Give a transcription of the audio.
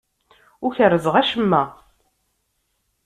Ur kerrzeɣ acemma.